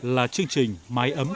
là chương trình công đoàn công ty